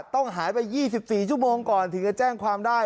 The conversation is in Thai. ต้องหายไป๒๔ชั่วโมงก่อนถึงจะแจ้งความได้